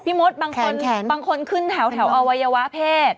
พี่มศบางคนขึ้นแถวแถวอวัยวะเพศ